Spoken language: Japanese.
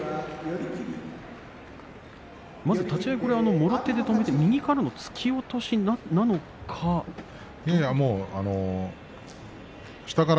立ち合い、もろ手で止めて右から突き落としなんでしょうか。